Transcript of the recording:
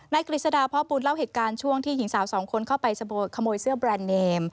กฤษฎาพ่อปูนเล่าเหตุการณ์ช่วงที่หญิงสาวสองคนเข้าไปขโมยเสื้อแบรนด์เนม